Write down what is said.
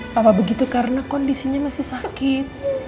papa begitu karena kondisinya masih sakit